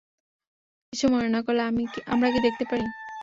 কিছু মনে না করলে, আমরা কি দেখতে পারি?